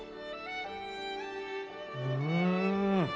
うん！